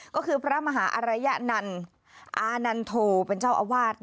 ก็คือพระมหาอรยนันต์อานันโทเป็นเจ้าอาวาส